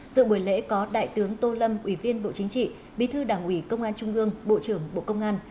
dự buổi lễ có đại tướng tô lâm ủy viên bộ chính trị bí thư đảng ủy công an trung ương bộ trưởng bộ công an